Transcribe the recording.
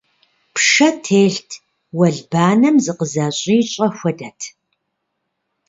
Пшэ телът, уэлбанэм зыкъызэщӀищӀэ хуэдэт.